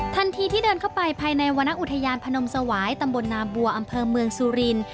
ทันทีที่เดินเข้าไปภายในวรรณอุทยานพนมสวายตำบลนาบัวอำเภอเมืองสุริน